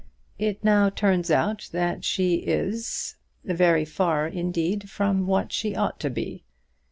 It now turns out that she is, very far, indeed, from what she ought to be.